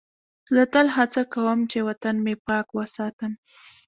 زه تل هڅه کوم چې وطن مې پاک وساتم.